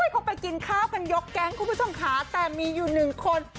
พ่อไปกินข้าวแล้วมียกแก๊งแต่มีอยู่หนึ่งคน